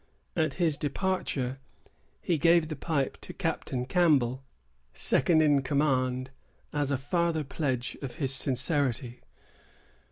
At his departure, he gave the pipe to Captain Campbell, second in command, as a farther pledge of his sincerity.